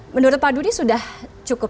menurut pak dudi sudah cukup